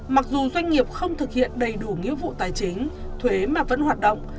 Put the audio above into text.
mặc dù doanh nghiệp không thực hiện đầy đủ nghĩa vụ tài chính thuế mà vẫn hoạt động